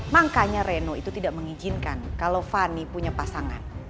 makanya reno itu tidak mengijinkan kalau fani punya pasangan